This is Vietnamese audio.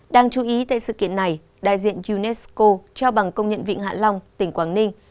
đáng chú ý tại sự kiện này đại diện unesco trao bằng công nhận vịnh hạ long tỉnh quảng ninh